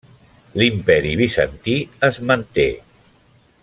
L’Imperi Bizantí es manté.